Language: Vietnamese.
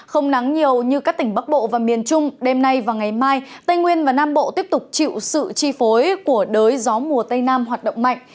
không nắng nhiều như các tỉnh bắc bộ và miền trung đêm nay và ngày mai tây nguyên và nam bộ tiếp tục chịu sự chi phối của đới gió mùa tây nam hoạt động mạnh